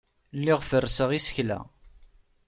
Lliɣ ferrseɣ isekla.